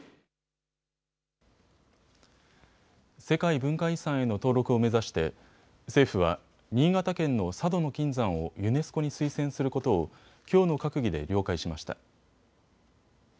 世界文化遺産への登録を目指して政府は新潟県の佐渡島の金山をユネスコに推薦することをきょうの閣議で了解しました。